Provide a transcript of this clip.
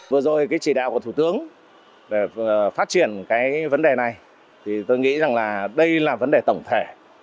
vừa rồi chỉ đạo của thủ tướng phát triển vấn đề này tôi nghĩ đây là vấn đề tổng thể